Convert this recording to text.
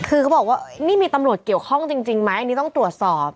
คือเขาบอกว่านี่มีตำรวจเกี่ยวข้องจริงไหมอันนี้ต้องตรวจสอบ